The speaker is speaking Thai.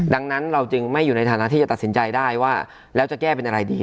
ดังนั้นเราจึงไม่อยู่ในฐานะที่จะตัดสินใจได้ว่าแล้วจะแก้เป็นอะไรดี